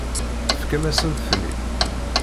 Tefkam-asent-ten-id.